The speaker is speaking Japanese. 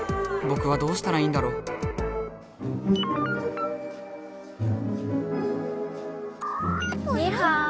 ぼくはどうしたらいいんだろうぽよ？